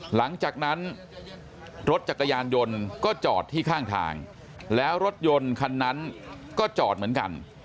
หลังจากนั้นรถจักรยานยนต์ก็จอดที่ข้างทางแล้วรถยนต์คันนั้นก็จอดเหมือนกัน